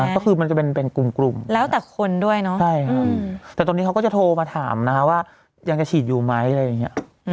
แต่ตอนนี้คัก็จะโทรมาถามนะว่ายังจะฉีดอยู่ไหม